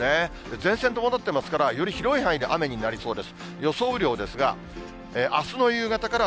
前線伴ってますから、より広い範囲で雨になりそうです。